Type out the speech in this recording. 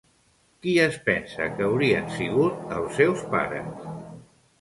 Qui es pensa que haurien sigut els seus pares?